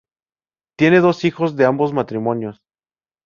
Tiene dos hijos de ambos matrimonios.